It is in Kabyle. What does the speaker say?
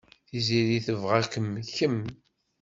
Tiziri tebɣa-kem kemm.